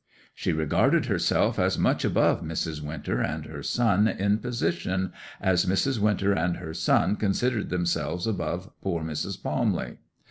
She regarded herself as much above Mrs. Winter and her son in position as Mrs. Winter and her son considered themselves above poor Mrs. Palmley.